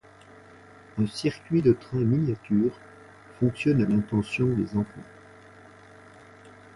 Un circuit de trains miniatures fonctionne à l'intention des enfants.